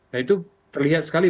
nah itu terlihat sekali